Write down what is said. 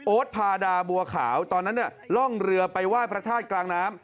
พาดาบัวขาวตอนนั้นล่องเรือไปไหว้พระธาตุกลางน้ำ